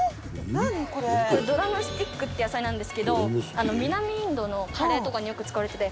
ドラムスティックっていう野菜なんですけど南インドのカレーとかによく使われてて。